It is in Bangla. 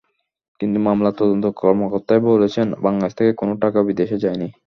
কিন্তু মামলার তদন্ত কর্মকর্তাই বলেছেন, বাংলাদেশ থেকে কোনো টাকা বিদেশে যায়নি।